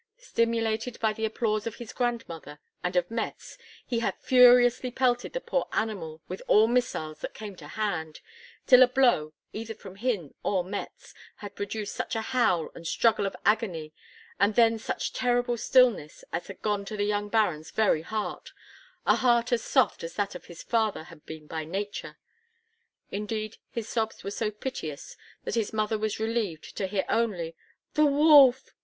Stimulated by the applause of his grandmother and of Mätz, he had furiously pelted the poor animal with all missiles that came to hand, till a blow, either from him or Mätz, had produced such a howl and struggle of agony, and then such terrible stillness, as had gone to the young Baron's very heart, a heart as soft as that of his father had been by nature. Indeed, his sobs were so piteous that his mother was relieved to hear only, "The wolf!